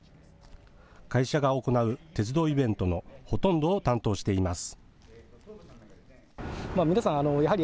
会社が行う鉄道イベントのほとんどを担当しています。